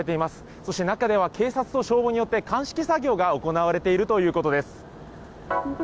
そして、中では、警察と消防によって鑑識作業が行われているということです。